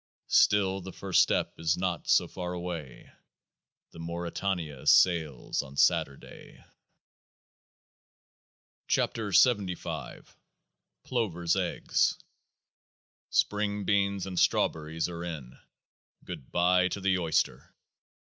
Still, the first step is not so far away :— The Mauretania sails on Saturday ! 91 KEOAAH OE PLOVERS' EGGS 38 Spring beans and strawberries are in : good bye to the oyster !